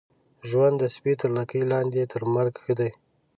ژوند د سپي تر لکۍ لاندي ، تر مرګ ښه دی.